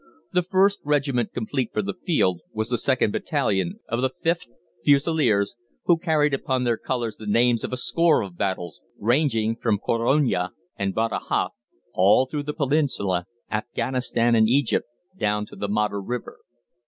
The first regiment complete for the field was the 2nd Battalion of the 5th Fusiliers, who carried upon their colours the names of a score of battles, ranging from Corunna and Badajoz, all through the Peninsula, Afghanistan, and Egypt, down to the Modder River.